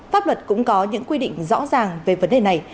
pháp luật cũng có những quy định rõ ràng về vấn đề này